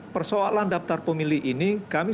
persoalan daftar pemilih ini kami